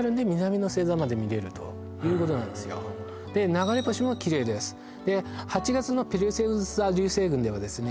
流れ星もキレイですで８月のペルセウス座流星群ではですね